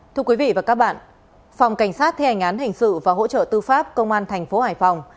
thưa quý vị và các bạn phòng cảnh sát theo hành án hình sự và hỗ trợ tư pháp công an tp hải phòng